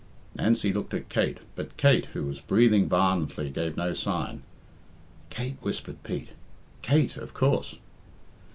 Nancy looked at Kate, but Kate, who was breathing violently, gave no sign. "Kate," whispered Pete; "Kate, of coorse."